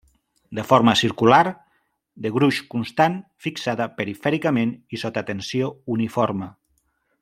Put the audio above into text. De forma circular, de gruix constant, fixada perifèricament i sota tensió uniforme.